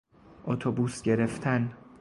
اتوبوس گرفتن